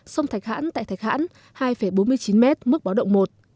sông thạch hãn tại thạch hãn hai bốn mươi chín m mức báo động một